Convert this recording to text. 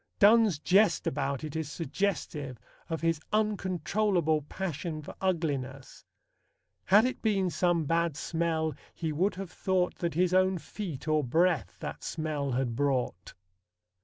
Donne's jest about it is suggestive of his uncontrollable passion for ugliness: Had it been some bad smell, he would have thought That his own feet, or breath, that smell had brought.